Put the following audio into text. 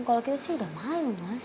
kalau kita sih udah main mas